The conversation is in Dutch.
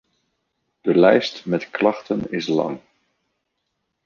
De lijst met klachten is lang.